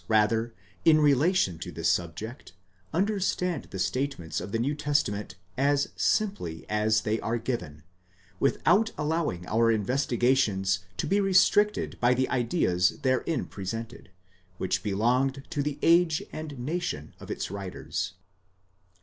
rather, in relation to this subject, understand the statements of the New Testament as simply as they are given, without allowing our investigations to be restricted by the ideas therein presented, which belonged to the age and nation of its writers.